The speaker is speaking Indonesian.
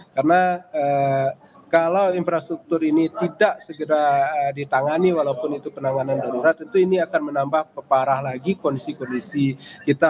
karena kalau infrastruktur ini tidak segera ditangani walaupun itu penanganan darurat tentu ini akan menambah peparah lagi kondisi kondisi kita